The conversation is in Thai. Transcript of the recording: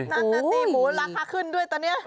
นั่นน่ะสิหมูราคาขึ้นด้วยตอนนี้